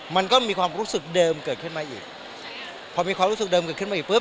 มันก็มีความรู้สึกเดิมเกิดขึ้นมาอีกพอมีความรู้สึกเดิมเกิดขึ้นมาอีกปุ๊